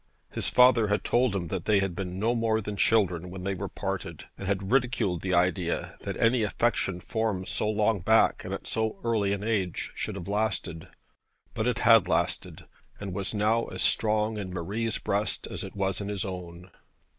His father had told him that they had been no more than children when they parted, and had ridiculed the idea that any affection formed so long back and at so early an age should have lasted. But it had lasted; and was now as strong in Marie's breast as it was in his own.